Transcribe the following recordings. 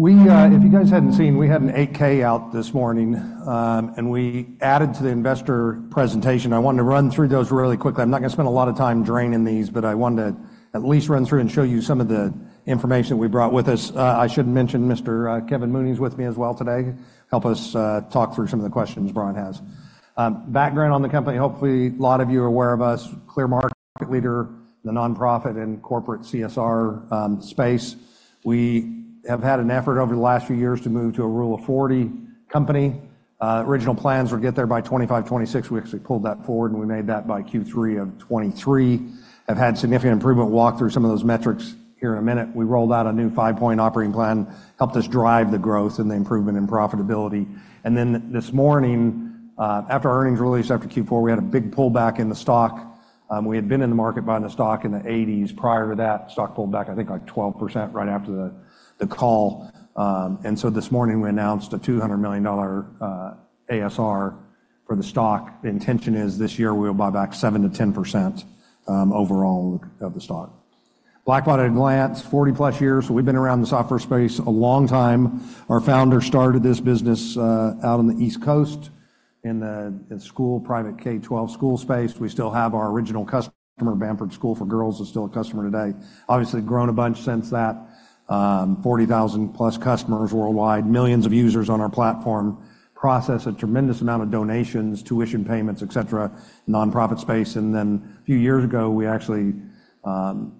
If you guys hadn't seen, we had an 8-K out this morning, and we added to the investor presentation. I wanted to run through those really quickly. I'm not going to spend a lot of time draining these, but I wanted to at least run through and show you some of the information that we brought with us. I should mention Mr. Kevin Mooney is with me as well today to help us talk through some of the questions Brian has. Background on the company: hopefully a lot of you are aware of us, clear market, the nonprofit and corporate CSR space. We have had an effort over the last few years to move to a Rule of 40 company. Original plans were to get there by 2025, 2026. We actually pulled that forward, and we made that by Q3 of 2023. Have had significant improvement. Walk through some of those metrics here in a minute. We rolled out a new five-point operating plan, helped us drive the growth and the improvement in profitability. And then this morning, after our earnings release after Q4, we had a big pullback in the stock. We had been in the market buying the stock in the '1980s. Prior to that, stock pulled back, I think, like 12% right after the call. And so this morning we announced a $200 million ASR for the stock. The intention is this year we'll buy back 7% to 10%, overall of the stock. Blackbaud at a glance, 40+ years. So we've been around the software space a long time. Our founder started this business, out on the East Coast in the school, private K-12 school space. We still have our original customer, Bamford School for Girls, is still a customer today. Obviously grown a bunch since that. 40,000-plus customers worldwide, millions of users on our platform, process a tremendous amount of donations, tuition payments, etc., nonprofit space. And then a few years ago we actually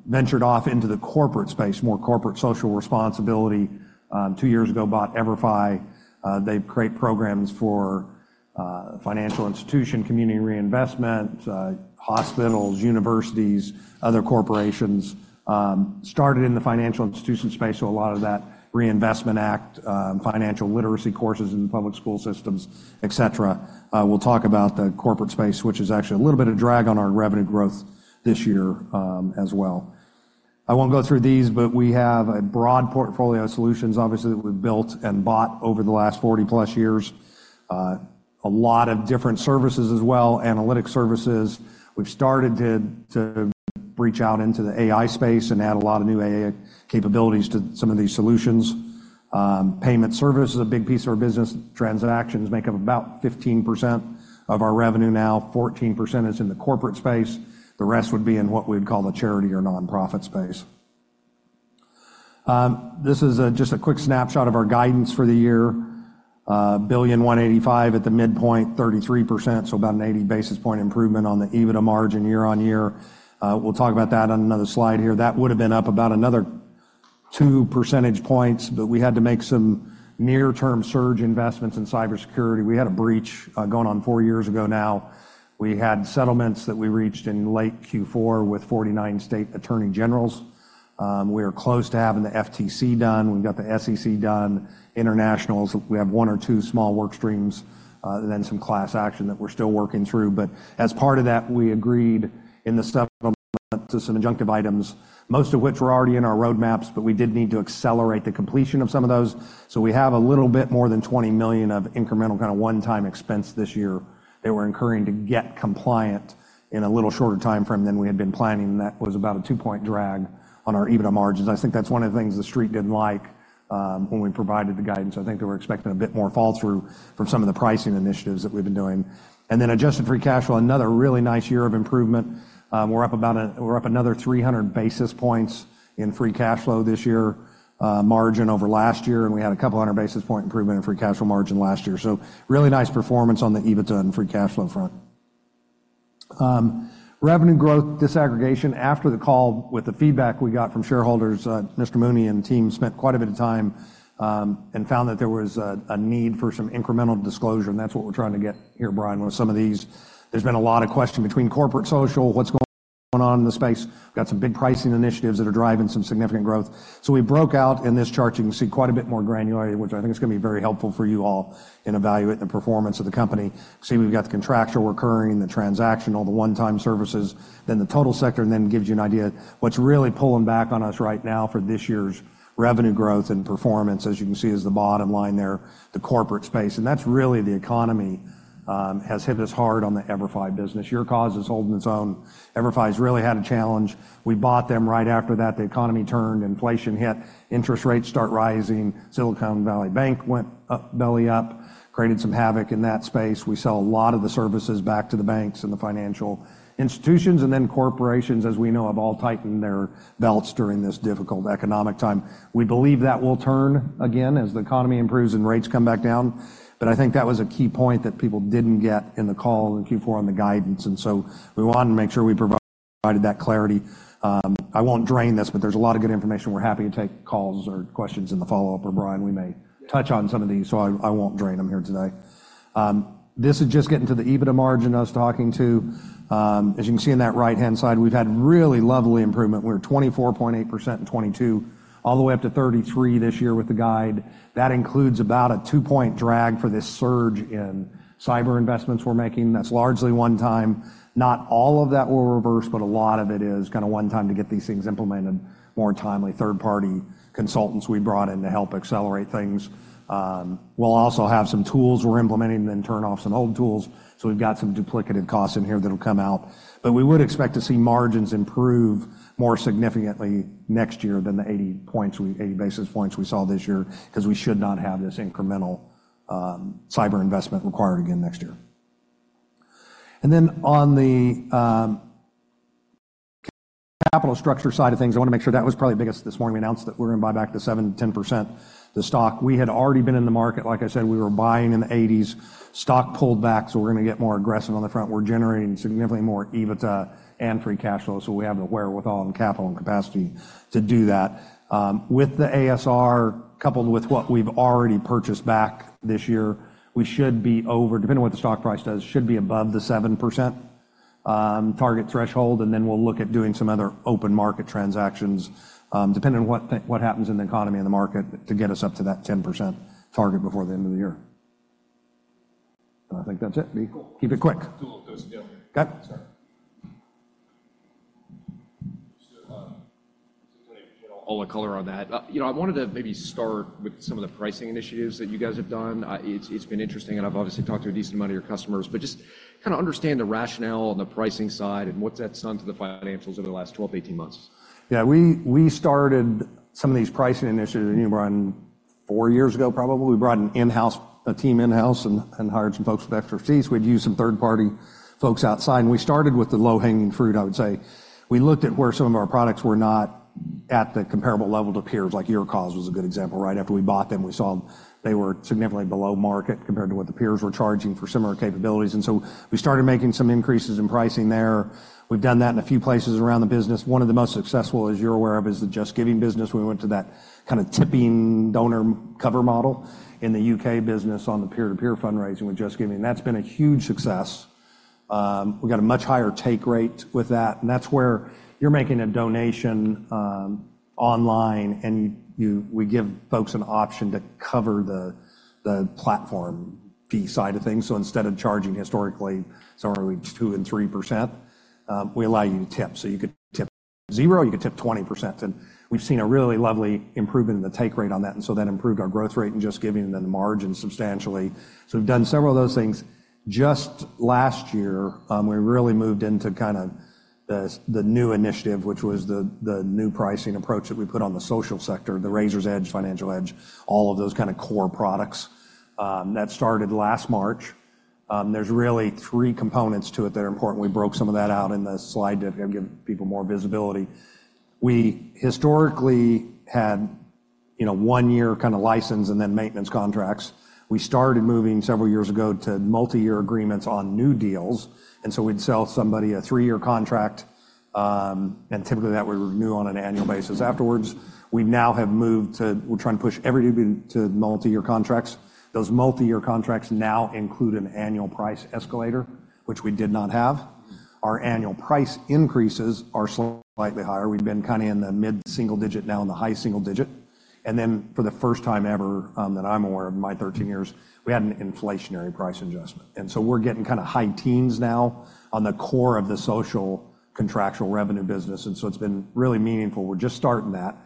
ventured off into the corporate space, more corporate social responsibility. 2 years ago bought EVERFI. They create programs for financial institution, community reinvestment, hospitals, universities, other corporations. Started in the financial institution space, so a lot of that Reinvestment Act, financial literacy courses in the public school systems, etc. We'll talk about the corporate space, which is actually a little bit of drag on our revenue growth this year, as well. I won't go through these, but we have a broad portfolio of solutions, obviously, that we've built and bought over the last 40+ years. A lot of different services as well, analytic services. We've started to branch out into the AI space and add a lot of new AI capabilities to some of these solutions. Payment service is a big piece of our business. Transactions make up about 15% of our revenue now. 14% is in the corporate space. The rest would be in what we'd call the charity or nonprofit space. This is just a quick snapshot of our guidance for the year. $1.85 billion at the midpoint, 33%, so about an 80 basis point improvement on the EBITDA margin year-over-year. We'll talk about that on another slide here. That would have been up about another two percentage points, but we had to make some near-term surge investments in cybersecurity. We had a breach, going on four years ago now. We had settlements that we reached in late Q4 with 49 state attorneys general. We are close to having the FTC done. We've got the SEC done. Internationals, we have one or two small work streams, then some class action that we're still working through. But as part of that, we agreed in the settlement to some injunctive items, most of which were already in our roadmaps, but we did need to accelerate the completion of some of those. So we have a little bit more than $20 million of incremental, kind of one-time expense this year that we're incurring to get compliant in a little shorter time frame than we had been planning, and that was about a 2-point drag on our EBITDA margins. I think that's one of the things the street didn't like, when we provided the guidance. I think they were expecting a bit more fall through from some of the pricing initiatives that we've been doing. Then adjusted free cash flow, another really nice year of improvement. We're up another 300 basis points in free cash flow margin this year over last year, and we had 200 basis point improvement in free cash flow margin last year. So really nice performance on the EBITDA and free cash flow front. Revenue growth disaggregation. After the call, with the feedback we got from shareholders, Mr. Mooney and team spent quite a bit of time and found that there was a need for some incremental disclosure. And that's what we're trying to get here, Brian, with some of these. There's been a lot of question between corporate social, what's going on in the space. We've got some big pricing initiatives that are driving some significant growth. So we broke out in this chart. You can see quite a bit more granularity, which I think is going to be very helpful for you all in evaluating the performance of the company. See, we've got the contractual recurring, the transaction, all the one-time services, then the total sector, and then gives you an idea of what's really pulling back on us right now for this year's revenue growth and performance. As you can see is the bottom line there, the corporate space. And that's really the economy, has hit us hard on the EVERFI business. YourCause is holding its own. EVERFI's really had a challenge. We bought them right after that. The economy turned. Inflation hit. Interest rates start rising. Silicon Valley Bank went up belly up, created some havoc in that space. We sell a lot of the services back to the banks and the financial institutions. And then corporations, as we know, have all tightened their belts during this difficult economic time. We believe that will turn again as the economy improves and rates come back down. But I think that was a key point that people didn't get in the call in Q4 on the guidance. And so we wanted to make sure we provided that clarity. I won't dive into this, but there's a lot of good information. We're happy to take calls or questions in the follow-up, or Brian, we may touch on some of these, so I, I won't dive into them here today. This is just getting to the EBITDA margin we're talking about. As you can see in that right-hand side, we've had really lovely improvement. We're 24.8% in 2022, all the way up to 33% this year with the guide. That includes about a 2-point drag for this surge in cyber investments we're making. That's largely one-time. Not all of that will reverse, but a lot of it is kind of one-time to get these things implemented more timely. Third-party consultants we brought in to help accelerate things. We'll also have some tools we're implementing and then turn off some old tools. So we've got some duplicative costs in here that'll come out. But we would expect to see margins improve more significantly next year than the 80 points, we 80 basis points we saw this year, because we should not have this incremental, cyber investment required again next year. And then on the capital structure side of things, I want to make sure that was probably the biggest. This morning we announced that we're going to buy back 7% to 10% of the stock. We had already been in the market. Like I said, we were buying in the 191980s. Stock pulled back, so we're going to get more aggressive on the front. We're generating significantly more EBITDA and free cash flow, so we have the wherewithal and capital and capacity to do that. With the ASR coupled with what we've already purchased back this year, we should be over, depending on what the stock price does, should be above the 7% target threshold, and then we'll look at doing some other open market transactions, depending on what happens in the economy and the market to get us up to that 10% target before the end of the year. I think that's it. Keep it quick. Cool. Go ahead. Sure. So, Tony, you know, all the color on that. You know, I wanted to maybe start with some of the pricing initiatives that you guys have done. It's been interesting, and I've obviously talked to a decent amount of your customers, but just kind of understand the rationale on the pricing side and what's that done to the financials over the last 12 to 18 months. Yeah. We started some of these pricing initiatives, you know, Brian, four years ago probably. We brought an in-house team in-house and hired some folks with expertise. We'd use some third-party folks outside. We started with the low-hanging fruit, I would say. We looked at where some of our products were not at the comparable level to peers, like YourCause was a good example, right? After we bought them, we saw they were significantly below market compared to what the peers were charging for similar capabilities. So we started making some increases in pricing there. We've done that in a few places around the business. One of the most successful, as you're aware of, is the JustGiving business. We went to that kind of tipping donor cover model in the U.K. business on the peer-to-peer fundraising with JustGiving. That's been a huge success. We got a much higher take rate with that. And that's where you're making a donation, online, and we give folks an option to cover the platform fee side of things. So instead of charging historically somewhere between 2% to 3%, we allow you to tip. So you could tip 0%, you could tip 20%. And we've seen a really lovely improvement in the take rate on that, and so that improved our growth rate in JustGiving and then the margin substantially. So we've done several of those things. Just last year, we really moved into kind of the new initiative, which was the new pricing approach that we put on the social sector, the Raiser's Edge, Financial Edge, all of those kind of core products. That started last March. There's really three components to it that are important. We broke some of that out in the slide to give people more visibility. We historically had, you know, 1-year kind of license and then maintenance contracts. We started moving several years ago to multi-year agreements on new deals. And so we'd sell somebody a 3-year contract, and typically that would renew on an annual basis. Afterwards, we now have moved to we're trying to push everything to multi-year contracts. Those multi-year contracts now include an annual price escalator, which we did not have. Our annual price increases are slightly higher. We've been kind of in the mid-single-digit now and the high single-digit. And then for the first time ever, that I'm aware of in my 13 years, we had an inflationary price adjustment. And so we're getting kind of high teens now on the core of the social contractual revenue business. It's been really meaningful. We're just starting that.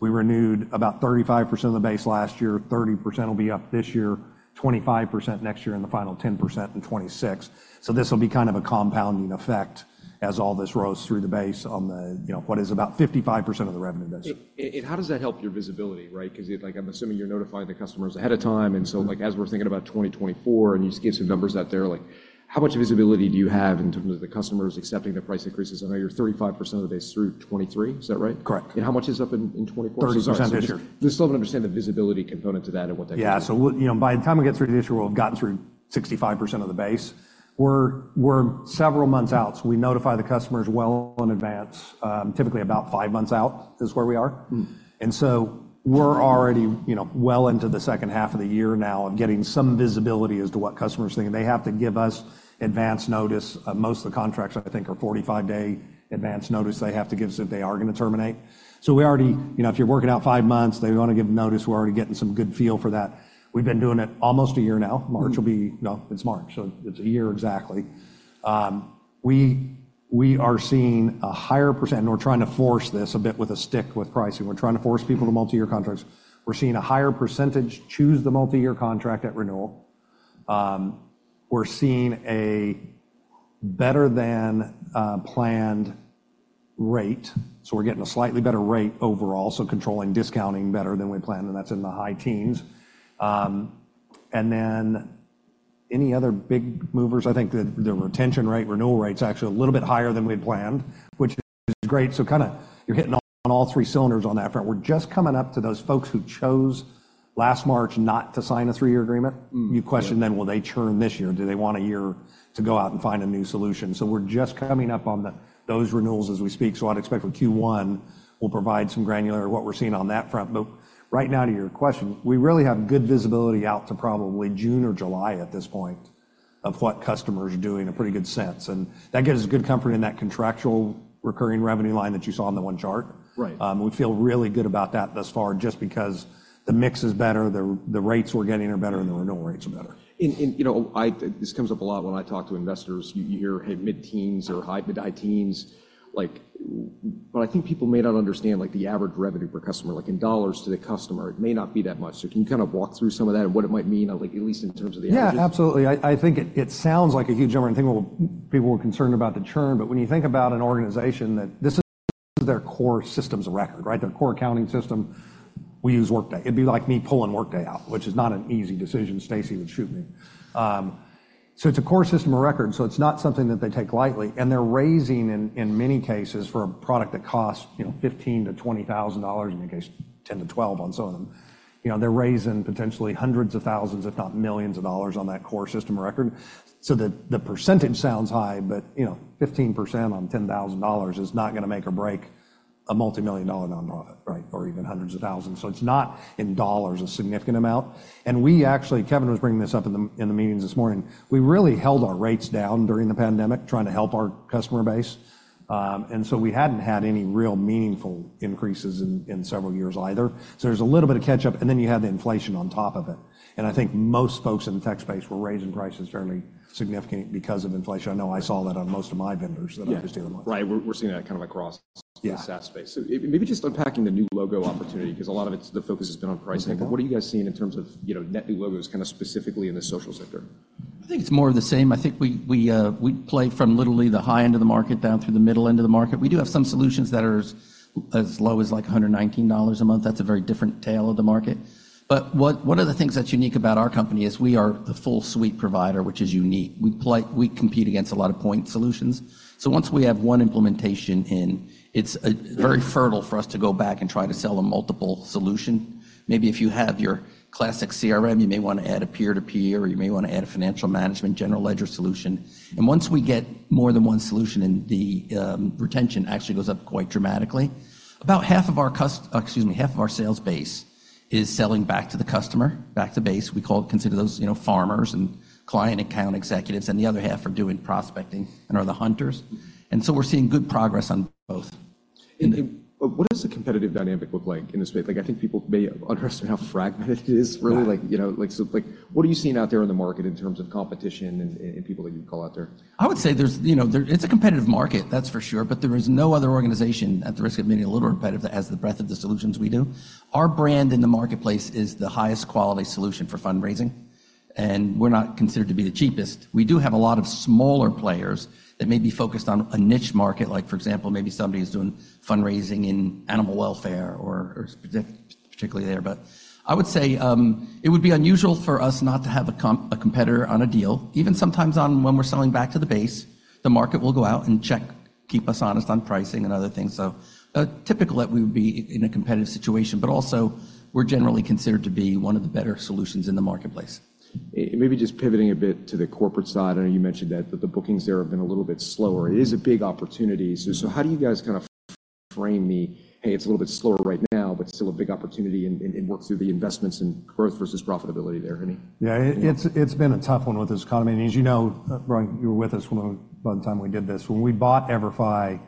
We renewed about 35% of the base last year. 30% will be up this year, 25% next year, and the final 10% in 2026. So this will be kind of a compounding effect as all this rose through the base on the, you know, what is about 55% of the revenue base. How does that help your visibility, right? Because, like, I'm assuming you're notifying the customers ahead of time. So, like, as we're thinking about 2024 and you just give some numbers out there, like, how much visibility do you have in terms of the customers accepting the price increases? I know you're 35% of the base through 2023. Is that right? Correct. How much is up in 2024? 30% this year. Just love to understand the visibility component to that and what that. Yeah. So we'll, you know, by the time we get through this year, we'll have gotten through 65% of the base. We're, we're several months out. So we notify the customers well in advance, typically about five months out is where we are. And so we're already, you know, well into the second half of the year now of getting some visibility as to what customers think. And they have to give us advance notice. Most of the contracts, I think, are 45-day advance notice they have to give so that they are going to terminate. So we already, you know, if you're working out five months, they want to give notice. We're already getting some good feel for that. We've been doing it almost a year now. March will be, you know, it's March. So it's a year exactly. We are seeing a higher percent, and we're trying to force this a bit with a stick with pricing. We're trying to force people to multi-year contracts. We're seeing a higher percentage choose the multi-year contract at renewal. We're seeing a better than planned rate. So we're getting a slightly better rate overall. So controlling discounting better than we planned, and that's in the high teens. And then any other big movers, I think the retention rate, renewal rate's actually a little bit higher than we'd planned, which is great. So kind of you're hitting on all three cylinders on that front. We're just coming up to those folks who chose last March not to sign a three-year agreement. The question then, will they churn this year? Do they want a year to go out and find a new solution? So we're just coming up on the those renewals as we speak. So I'd expect for Q1, we'll provide some granular what we're seeing on that front. But right now, to your question, we really have good visibility out to probably June or July at this point of what customers are doing, a pretty good sense. And that gives us good comfort in that contractual recurring revenue line that you saw in the one chart. We feel really good about that thus far just because the mix is better, the, the rates we're getting are better, and the renewal rates are better. You know, this comes up a lot when I talk to investors. You hear, "Hey, mid-teens or high, mid-high teens." Like, but I think people may not understand, like, the average revenue per customer, like, in dollars to the customer. It may not be that much. So can you kind of walk through some of that and what it might mean, like, at least in terms of the averages? Yeah, absolutely. I, I think it, it sounds like a huge number. And I think while people were concerned about the churn. But when you think about an organization that this is their core systems of record, right? Their core accounting system, we use Workday. It'd be like me pulling Workday out, which is not an easy decision. Stacy would shoot me. So it's a core system of record. So it's not something that they take lightly. And they're raising, in, in many cases, for a product that costs, you know, $15,000 to 20,000, in your case, $10,000 to 12,000 on some of them, you know, they're raising potentially hundreds of thousands, if not millions, of dollars on that core system of record. So the, the percentage sounds high, but, you know, 15% on $10,000 is not going to make or break a multimillion-dollar nonprofit, right? Or even hundreds of thousands. So it's not a significant amount in dollars. We actually, Kevin was bringing this up in the meetings this morning, we really held our rates down during the pandemic trying to help our customer base. So we hadn't had any real meaningful increases in several years either. So there's a little bit of catch-up, and then you have the inflation on top of it. I think most folks in the tech space were raising prices fairly significantly because of inflation. I know I saw that on most of my vendors that I was dealing with. Yeah. Right. We're, we're seeing that kind of across the SaaS space. So maybe just unpacking the new logo opportunity, because a lot of it's the focus has been on pricing. But what are you guys seeing in terms of, you know, net new logos kind of specifically in the social sector? I think it's more of the same. I think we play from literally the high end of the market down through the middle end of the market. We do have some solutions that are as low as like $119 a month. That's a very different tale of the market. But one of the things that's unique about our company is we are the full suite provider, which is unique. We play, we compete against a lot of point solutions. So once we have one implementation in, it's very fertile for us to go back and try to sell a multiple solution. Maybe if you have your classic CRM, you may want to add a peer-to-peer, or you may want to add a financial management general ledger solution. And once we get more than one solution in, the retention actually goes up quite dramatically. About half of our sales base is selling back to the customer, back to base. We call it consider those, you know, farmers and client account executives. And the other half are doing prospecting and are the hunters. And so we're seeing good progress on both. What does the competitive dynamic look like in the space? Like, I think people may underestimate how fragmented it is really. Like, you know, like, so like, what are you seeing out there in the market in terms of competition and people that you call out there? I would say there's, you know, there it's a competitive market, that's for sure. But there is no other organization, at the risk of being a little repetitive, that has the breadth of the solutions we do. Our brand in the marketplace is the highest quality solution for fundraising. We're not considered to be the cheapest. We do have a lot of smaller players that may be focused on a niche market. Like, for example, maybe somebody is doing fundraising in animal welfare or, or particularly there. But I would say, it would be unusual for us not to have a competitor on a deal. Even sometimes, when we're selling back to the base, the market will go out and check, keep us honest on pricing and other things. So, typical that we would be in a competitive situation. But also, we're generally considered to be one of the better solutions in the marketplace. Maybe just pivoting a bit to the corporate side. I know you mentioned that the bookings there have been a little bit slower. It is a big opportunity. So how do you guys kind of frame the, "Hey, it's a little bit slower right now, but still a big opportunity," and work through the investments and growth versus profitability there, Tony? Yeah. It's been a tough one with this economy. And as you know, Brian, you were with us when we, by the time we did this. When we bought EVERFI,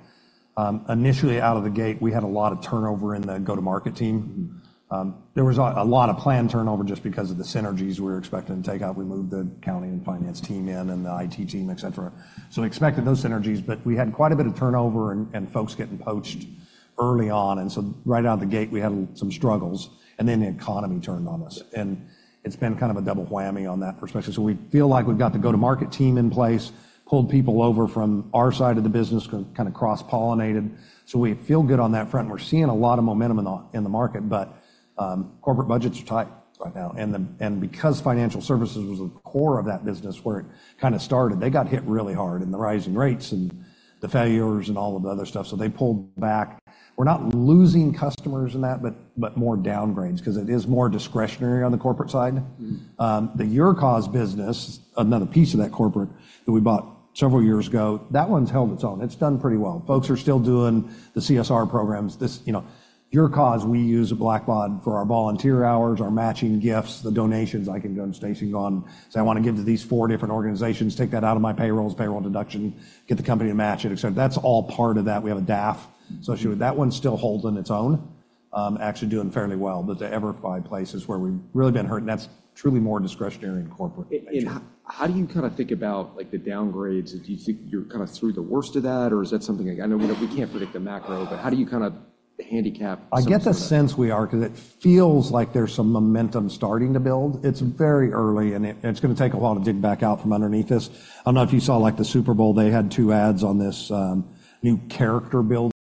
initially out of the gate, we had a lot of turnover in the go-to-market team. There was a lot of planned turnover just because of the synergies we were expecting to take out. We moved the accounting and finance team in and the IT team, etc. So we expected those synergies, but we had quite a bit of turnover and folks getting poached early on. And so right out of the gate, we had some struggles. And then the economy turned on us. And it's been kind of a double whammy on that perspective. So we feel like we've got the go-to-market team in place, pulled people over from our side of the business, kind of cross-pollinated. So we feel good on that front. And we're seeing a lot of momentum in the market. But corporate budgets are tight right now. And because financial services was the core of that business where it kind of started, they got hit really hard in the rising rates and the failures and all of the other stuff. So they pulled back. We're not losing customers in that, but more downgrades because it is more discretionary on the corporate side. The YourCause business, another piece of that corporate that we bought several years ago, that one's held its own. It's done pretty well. Folks are still doing the CSR programs. This, you know, YourCause, we use a Blackbaud for our volunteer hours, our matching gifts, the donations. I can go and Stacy can go on and say, "I want to give to these four different organizations. Take that out of my payrolls, payroll deduction, get the company to match it," etc. That's all part of that. We have a DAF associated with that. One's still holding its own, actually doing fairly well. But the EVERFI place is where we've really been hurt. And that's truly more discretionary in corporate nature. How do you kind of think about, like, the downgrades? Do you think you're kind of through the worst of that, or is that something like I know we don't we can't predict the macro, but how do you kind of handicap some of that? I get the sense we are because it feels like there's some momentum starting to build. It's very early, and it's going to take a while to dig back out from underneath this. I don't know if you saw, like, the Super Bowl. They had two ads on this, new character building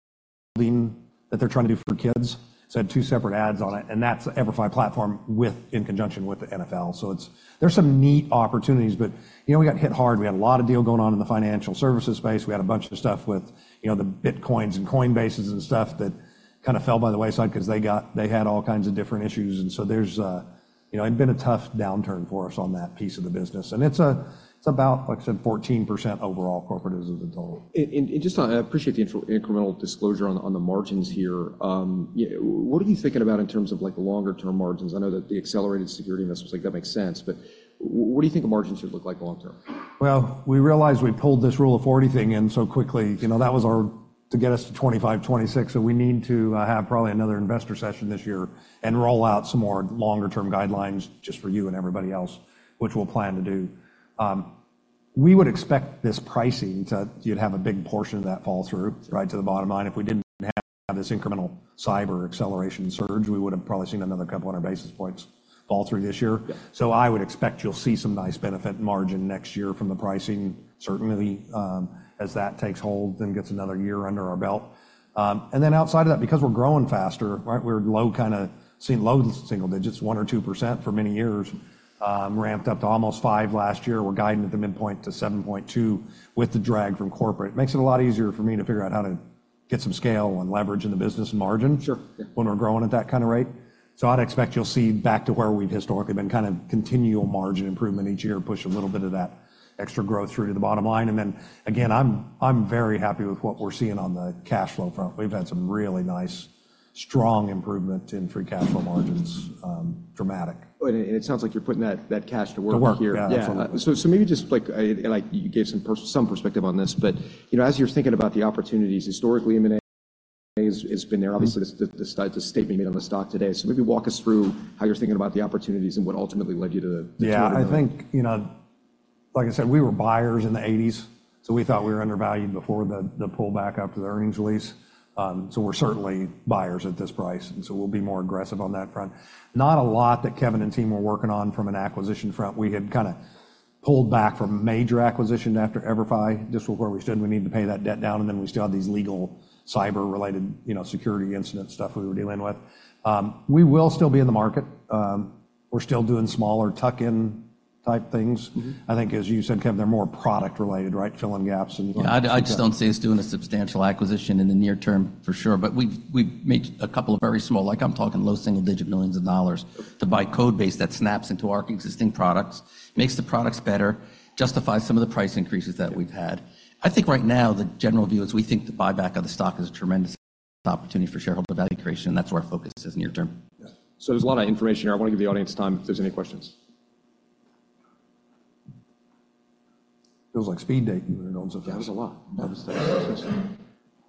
that they're trying to do for kids. It's had two separate ads on it. And that's EVERFI platform within conjunction with the NFL. So it's; there's some neat opportunities. But, you know, we got hit hard. We had a lot of deal going on in the financial services space. We had a bunch of stuff with, you know, the Bitcoins and Coinbases and stuff that kind of fell by the wayside because they had all kinds of different issues. So there's, you know, it'd been a tough downturn for us on that piece of the business. And it's, it's about, like I said, 14% overall corporate as of the total. Just on, I appreciate the incremental disclosure on the margins here. You know, what are you thinking about in terms of, like, longer-term margins? I know that the accelerated security investments, like, that makes sense. But what do you think margins should look like long-term? Well, we realized we pulled this Rule of 40 thing in so quickly. You know, that was our to get us to 25, 26. So we need to have probably another investor session this year and roll out some more longer-term guidelines just for you and everybody else, which we'll plan to do. We would expect this pricing to you'd have a big portion of that fall through, right, to the bottom line. If we didn't have this incremental cyber acceleration surge, we would have probably seen another 200 basis points fall through this year. So I would expect you'll see some nice benefit margin next year from the pricing, certainly, as that takes hold and gets another year under our belt. And then outside of that, because we're growing faster, right, we're now kind of seeing low single digits, 1% or 2% for many years, ramped up to almost 5% last year. We're guiding at the midpoint to 7.2% with the drag from corporate. It makes it a lot easier for me to figure out how to get some scale and leverage in the business and margin when we're growing at that kind of rate. So I'd expect you'll see back to where we've historically been, kind of continual margin improvement each year, push a little bit of that extra growth through to the bottom line. And then, again, I'm, I'm very happy with what we're seeing on the cash flow front. We've had some really nice, strong improvement in free cash flow margins, dramatic. It sounds like you're putting that, that cash to work here. To work, yeah. Absolutely. So, maybe just, like, you gave some perspective on this. But, you know, as you're thinking about the opportunities historically emanating, it's been there. Obviously, this is the statement you made on the stock today. So maybe walk us through how you're thinking about the opportunities and what ultimately led you to the. Yeah. I think, you know, like I said, we were buyers in the '1980s. So we thought we were undervalued before the, the pullback up to the earnings release. So we're certainly buyers at this price. And so we'll be more aggressive on that front. Not a lot that Kevin and team were working on from an acquisition front. We had kind of pulled back from major acquisition after EVERFI just before we stood. We needed to pay that debt down. And then we still had these legal cyber-related, you know, security incident stuff we were dealing with. We will still be in the market. We're still doing smaller tuck-in type things. I think, as you said, Kevin, they're more product-related, right, filling gaps and. Yeah. I just don't see us doing a substantial acquisition in the near term, for sure. But we've made a couple of very small, like, I'm talking low single-digit $ millions to buy code base that snaps into our existing products, makes the products better, justifies some of the price increases that we've had. I think right now, the general view is we think the buyback of the stock is a tremendous opportunity for shareholder value creation. And that's where our focus is near term. Yeah. There's a lot of information here. I want to give the audience time if there's any questions. Feels like speed dating when it owns a van. That was a lot. That was.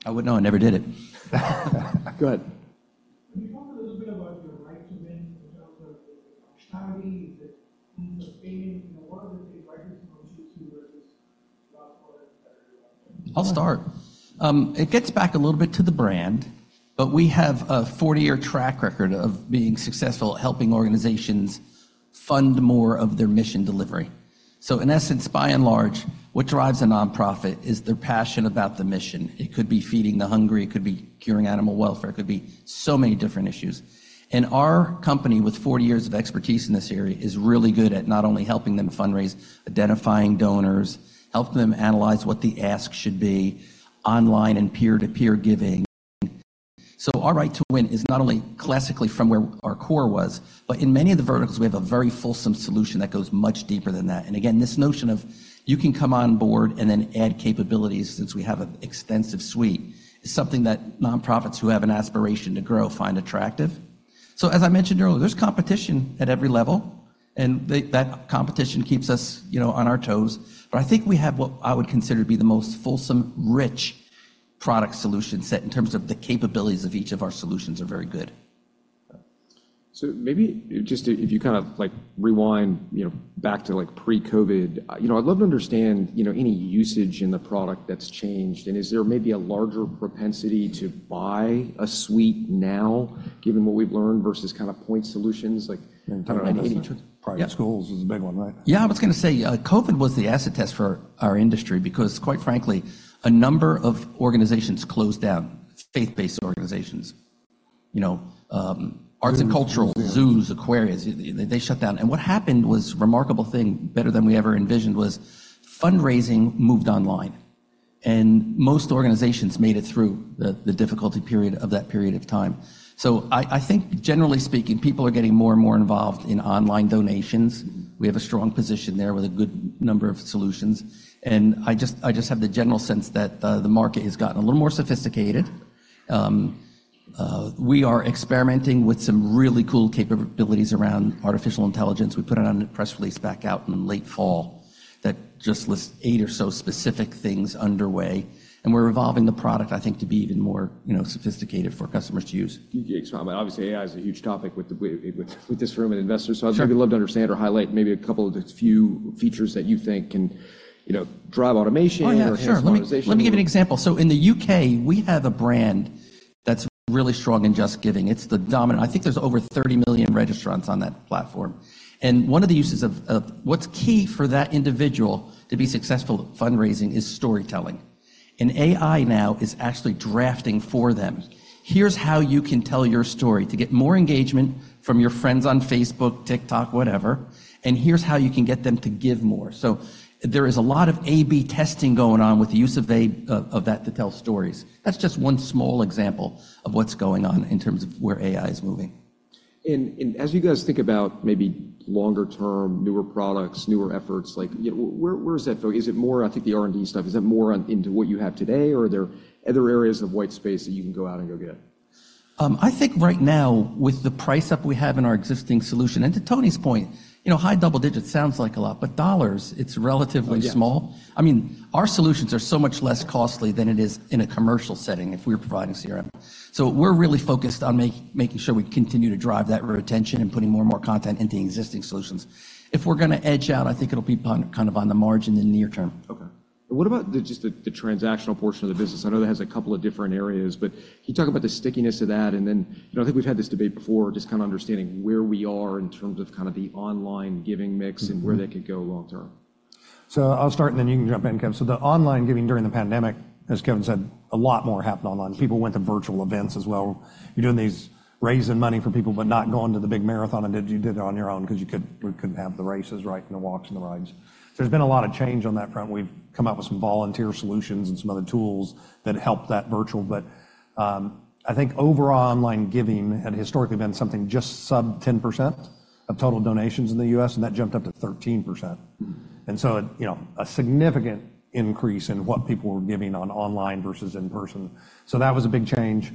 I wouldn't know. I never did it. Go ahead. Can you talk a little bit about your rights to win in terms of functionality? Is it ease of payment? You know, what are the big rights to win too versus a lot of products that are? I'll start. It gets back a little bit to the brand. But we have a 40-year track record of being successful at helping organizations fund more of their mission delivery. So in essence, by and large, what drives a nonprofit is their passion about the mission. It could be feeding the hungry. It could be curing animal welfare. It could be so many different issues. And our company, with 40 years of expertise in this area, is really good at not only helping them fundraise, identifying donors, helping them analyze what the ask should be, online and peer-to-peer giving. So our right to win is not only classically from where our core was, but in many of the verticals, we have a very fulsome solution that goes much deeper than that. And again, this notion of you can come on board and then add capabilities since we have an extensive suite is something that nonprofits who have an aspiration to grow find attractive. So as I mentioned earlier, there's competition at every level. And that competition keeps us, you know, on our toes. But I think we have what I would consider to be the most fulsome, rich product solution set in terms of the capabilities of each of our solutions are very good. So maybe just if you kind of, like, rewind, you know, back to, like, pre-COVID, you know, I'd love to understand, you know, any usage in the product that's changed. And is there maybe a larger propensity to buy a suite now, given what we've learned, versus kind of point solutions? Like, kind of any. Private schools is a big one, right? Yeah. I was going to say, COVID was the asset test for our industry because, quite frankly, a number of organizations closed down, faith-based organizations, you know, arts and cultural, zoos, aquariums, they shut down. What happened was a remarkable thing, better than we ever envisioned, was fundraising moved online. Most organizations made it through the difficulty period of that period of time. I, I think, generally speaking, people are getting more and more involved in online donations. We have a strong position there with a good number of solutions. I just I just have the general sense that the market has gotten a little more sophisticated. We are experimenting with some really cool capabilities around artificial intelligence. We put it on a press release back out in late fall that just lists eight or so specific things underway. We're evolving the product, I think, to be even more, you know, sophisticated for customers to use. Thank you. But obviously, AI is a huge topic with this room and investors. So I'd really love to understand or highlight maybe a couple of the few features that you think can, you know, drive automation or customization. Oh, yeah. Sure. Let me give you an example. So in the UK, we have a brand that's really strong in JustGiving. It's the dominant. I think there's over 30 million registrants on that platform. And one of the uses of what's key for that individual to be successful at fundraising is storytelling. And AI now is actually drafting for them. Here's how you can tell your story to get more engagement from your friends on Facebook, TikTok, whatever. And here's how you can get them to give more. So there is a lot of A/B testing going on with the use of AI to tell stories. That's just one small example of what's going on in terms of where AI is moving. And as you guys think about maybe longer-term, newer products, newer efforts, like, you know, where is that, though? Is it more, I think, the R&D stuff? Is that more on into what you have today? Or are there other areas of white space that you can go out and go get? I think right now, with the price up we have in our existing solution and to Tony's point, you know, high double digits sounds like a lot. But dollars, it's relatively small. I mean, our solutions are so much less costly than it is in a commercial setting if we were providing CRM. So we're really focused on making sure we continue to drive that retention and putting more and more content into existing solutions. If we're going to edge out, I think it'll be kind of on the margin in the near term. Okay. What about just the transactional portion of the business? I know that has a couple of different areas. But can you talk about the stickiness of that? And then, you know, I think we've had this debate before, just kind of understanding where we are in terms of kind of the online giving mix and where that could go long term. So I'll start, and then you can jump in, Kevin. So the online giving during the pandemic, as Kevin said, a lot more happened online. People went to virtual events as well. You're doing these raising money for people but not going to the big marathon. And you did it on your own because we couldn't have the races right and the walks and the rides. So there's been a lot of change on that front. We've come out with some volunteer solutions and some other tools that help that virtual. But I think overall, online giving had historically been something just sub 10% of total donations in the US And that jumped up to 13%. And so it, you know, a significant increase in what people were giving on online versus in person. So that was a big change.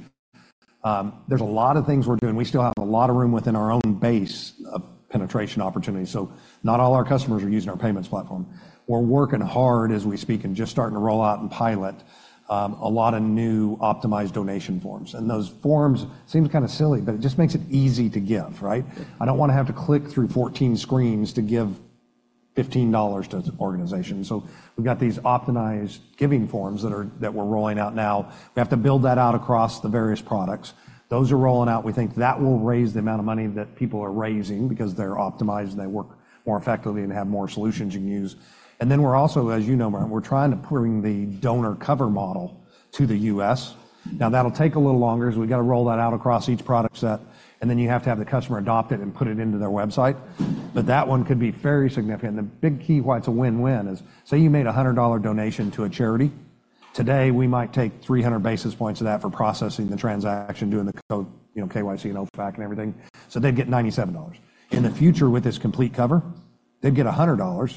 There's a lot of things we're doing. We still have a lot of room within our own base of penetration opportunities. So not all our customers are using our payments platform. We're working hard as we speak and just starting to roll out and pilot a lot of new optimized donation forms. And those forms seem kind of silly, but it just makes it easy to give, right? I don't want to have to click through 14 screens to give $15 to an organization. So we've got these optimized giving forms that we're rolling out now. We have to build that out across the various products. Those are rolling out. We think that will raise the amount of money that people are raising because they're optimized, and they work more effectively, and have more solutions you can use. And then we're also, as you know, we're trying to bring the donor cover model to the US Now, that'll take a little longer because we've got to roll that out across each product set. And then you have to have the customer adopt it and put it into their website. But that one could be very significant. And the big key why it's a win-win is, say, you made $100 donation to a charity. Today, we might take 300 basis points of that for processing the transaction, doing the code, you know, KYC and OFAC and everything. So they'd get $97. In the future, with this complete cover, they'd get $100.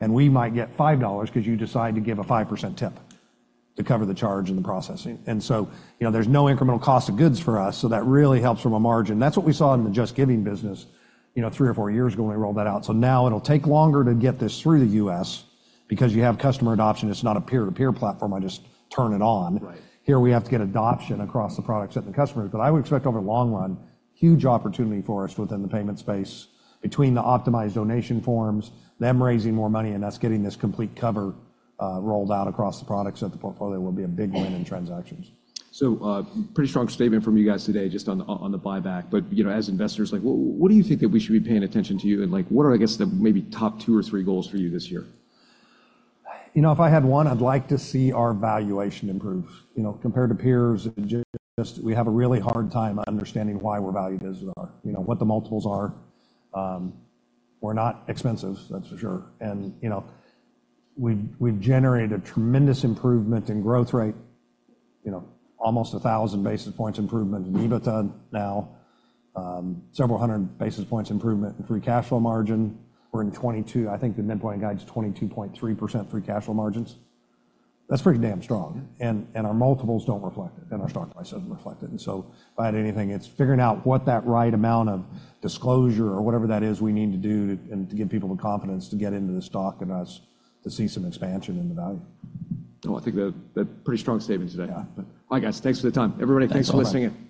And we might get $5 because you decide to give a 5% tip to cover the charge and the processing. And so, you know, there's no incremental cost of goods for us. So that really helps from a margin. That's what we saw in the JustGiving business, you know, three or four years ago when we rolled that out. So now, it'll take longer to get this through the US because you have customer adoption. It's not a peer-to-peer platform. I just turn it on. Here, we have to get adoption across the products that the customer is. But I would expect, over the long run, huge opportunity for us within the payment space between the optimized donation forms, them raising more money, and us getting this complete cover, rolled out across the products at the portfolio will be a big win in transactions. So, pretty strong statement from you guys today just on the buyback. But, you know, as investors, like, what do you think that we should be paying attention to you? And, like, what are, I guess, the maybe top two or three goals for you this year? You know, if I had one, I'd like to see our valuation improve, you know, compared to peers. Just we have a really hard time understanding why we're valued as we are, you know, what the multiples are. We're not expensive, that's for sure. And, you know, we've generated a tremendous improvement in growth rate, you know, almost 1,000 basis points improvement in EBITDA now, several hundred basis points improvement in free cash flow margin. We're in 22%, I think the midpoint guide's 22.3% free cash flow margins. That's pretty damn strong. And our multiples don't reflect it. And our stock price doesn't reflect it. And so if I had anything, it's figuring out what that right amount of disclosure or whatever that is we need to do to and to give people the confidence to get into the stock and us to see some expansion in the value. Oh, I think that that pretty strong statement today. Yeah. All right, guys. Thanks for the time. Everybody, thanks for listening.